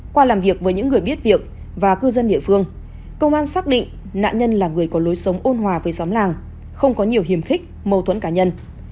qua làm việc với những người biết việc và cư dân địa phương công an xác định nạn nhân là người có lối sống ôn hòa với xóm làng không có nhiều hiểm hích mâu thuẫn cá nhân